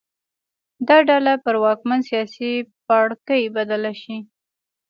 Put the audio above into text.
دا ډله پر واکمن سیاسي پاړکي بدله شي.